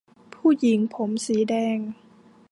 ผู้หญิงผมสีแดง